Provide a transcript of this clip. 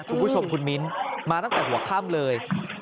คุณผู้ชมคุณมิ้นมาตั้งแต่หัวค่ำเลย